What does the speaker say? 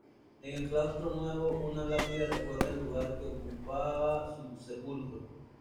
En el claustro nuevo una lápida recuerda el lugar que ocupaba su sepulcro.